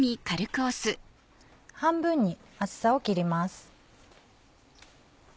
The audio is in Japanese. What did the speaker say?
半分に厚さを切ります。